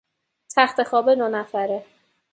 تختخواب دو نفره